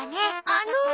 あの。